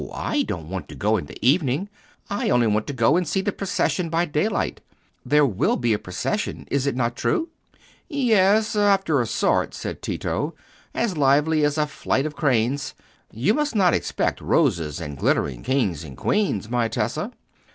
I don't want to go in the evening. I only want to go and see the procession by daylight. There will be a procession—is it not true?" "Yes, after a sort," said Tito, "as lively as a flight of cranes. You must not expect roses and glittering kings and queens, my Tessa.